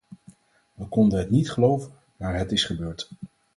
We konden het niet geloven, maar het is gebeurd.